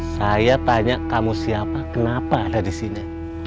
saya tanya kamu siapa kenapa ada disini